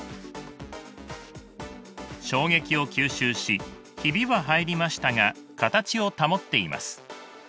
衝撃を吸収しヒビは入りましたが形を保っています。